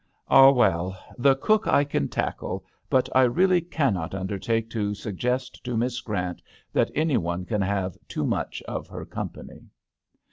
" Ah ! Well, the cook I can tackle; but I really cannot under take to suggest to Miss Grant that any one can have too much of her company."